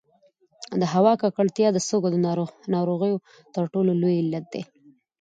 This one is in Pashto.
د هوا ککړتیا د سږو د ناروغیو تر ټولو لوی علت دی.